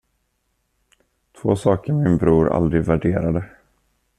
Två saker min bror aldrig värderade.